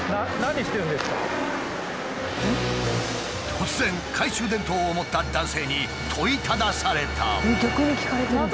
突然懐中電灯を持った男性に問いただされた。